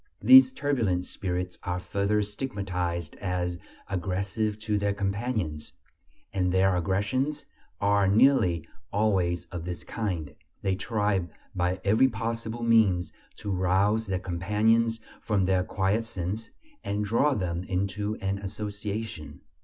These turbulent spirits are further stigmatized as "aggressive to their companions," and their aggressions are nearly always of this kind: they try by every possible means to rouse their companions from their quiescence, and draw them into an association.